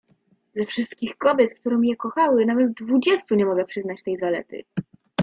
"Ze wszystkich kobiet, które mnie kochały, nawet dwudziestu nie mogę przyznać tej zalety!"